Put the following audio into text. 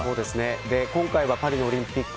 今回はパリオリンピック